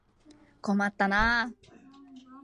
困ったなあ。